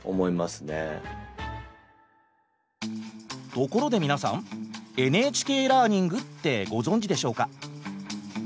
ところで皆さんＮＨＫラーニングってご存じでしょうか？